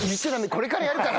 これからやるから！